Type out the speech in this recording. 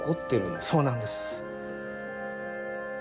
そうなんです。